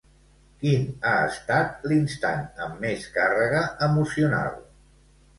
Quin ha estat l'instant amb més càrrega emocional?